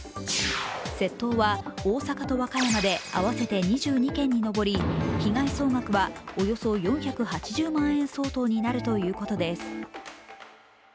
窃盗は大阪と和歌山で合わせて２２件に上り、被害総額はおよそ４８０万円相当になるということです。